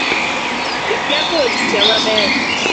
Ikia goyo picha maber